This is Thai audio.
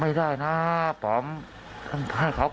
ไม่ได้น่าปำให้เขากลับมา